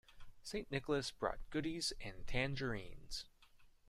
St. Nicholas brought goodies and tangerines.